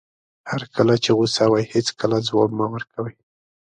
هر کله چې غوسه وئ هېڅکله ځواب مه ورکوئ.